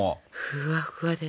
ふわふわでね。